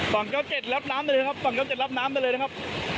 ฝั่งก็เจ็ดรับน้ำได้เลยครับฝั่งก็เจ็ดรับน้ำได้เลยนะครับ